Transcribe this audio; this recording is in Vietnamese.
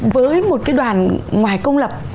với một cái đoàn ngoài công lập